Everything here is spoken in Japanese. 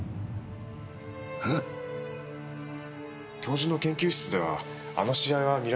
教授の研究室ではあの試合は見られませんよ。